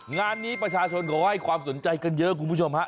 งานนี้ประชาชนเขาให้ความสนใจกันเยอะคุณผู้ชมฮะ